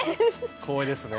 光栄ですね。